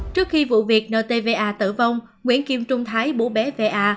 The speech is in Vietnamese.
trước khi vụ việc ntva tử vong nguyễn kiêm trung thái bố bé va